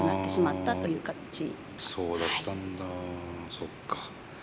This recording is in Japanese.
そっか。